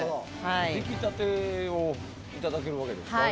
出来立てをいただけるわけですね。